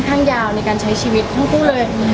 ก็ค่อนข้างยาวในการใช้ชีวิตของผู้เลย